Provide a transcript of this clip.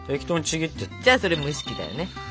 じゃあそれ蒸し器だよね。